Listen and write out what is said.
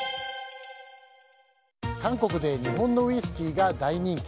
韓国で日本のウイスキーが大人気。